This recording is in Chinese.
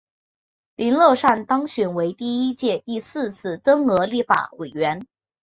林乐善当选为第一届第四次增额立法委员。